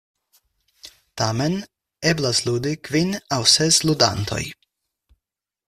Tamen, eblas ludi kvin aŭ ses ludantoj.